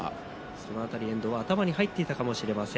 その辺り遠藤、頭に入っていたかもしれません。